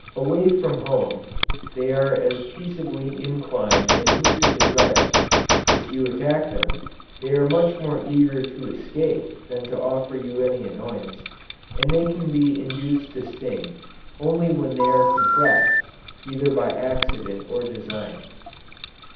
Away from home, they are as peaceably inclined as you could desire. If you attack them, they are much more eager to escape than to offer you any annoyance, and they can be induced to sting, only when they are compressed, either by accident or design.